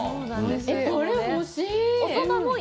これ、欲しい。